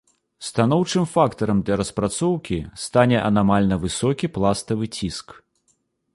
Станоўчым фактарам для распрацоўкі стане анамальна высокі пластавы ціск.